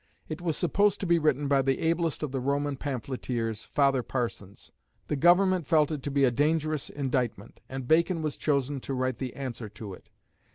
It was supposed to be written by the ablest of the Roman pamphleteers, Father Parsons. The Government felt it to be a dangerous indictment, and Bacon was chosen to write the answer to it.